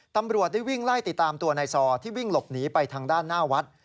ตำรวจได้วิ่งไล่ติดตามตัวนายซอที่วิ่งหลบหนีไปทางด้านหน้าวัด